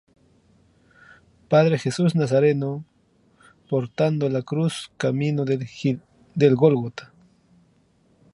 Padre Jesús Nazareno, portando la cruz camino del Gólgota.